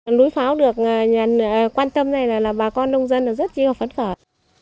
núi pháo được quan tâm này là bà con nông dân rất là phấn khởi